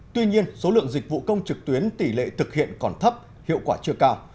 tuy nhiên số lượng dịch vụ công trực tuyến tỷ lệ thực hiện còn thấp hiệu quả chưa cao